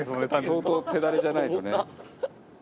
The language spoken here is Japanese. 相当手だれじゃないとね。